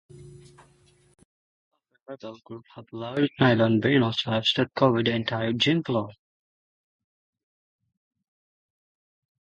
Most upper level groups have large nylon-vinyl tarps that cover an entire gym floor.